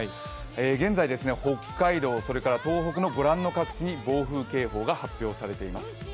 現在、北海道、それから東北のご覧の各地に暴風警報が発令されています。